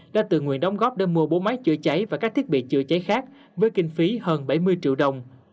đã tự nguyện đóng góp để mua bốn máy chữa cháy và các thiết bị chữa cháy khác với kinh phí hơn bảy mươi triệu đồng